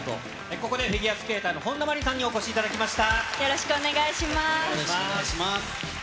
ここでフィギュアスケーターの本田真凜さんにお越しいただきました。